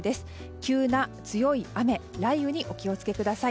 急な強い雨、雷雨にお気をつけください。